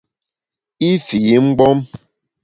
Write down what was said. I fii mgbom.